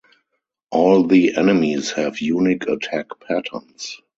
All the enemies have unique attack patterns.